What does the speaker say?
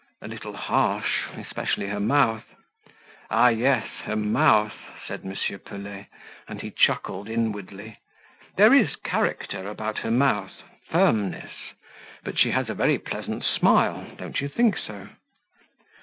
"A little harsh, especially her mouth." "Ah, yes! her mouth," said M. Pelet, and he chuckled inwardly. "There is character about her mouth firmness but she has a very pleasant smile; don't you think so?"